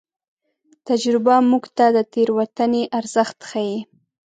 تجربه موږ ته د تېروتنې ارزښت ښيي.